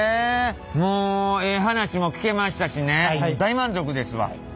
もうええ話も聞けましたしね大満足ですわ。